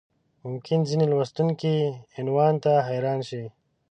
ممکن ځینې لوستونکي عنوان ته حیران شي.